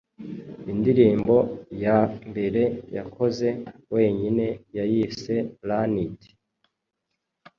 indirimbo ya mbere yakoze wenyine yayise Run it .